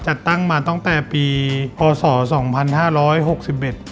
จัดตั้งมาตั้งแต่ปีพศสองพันห้าร้อยหกสิบเอ็ด